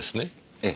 ええ。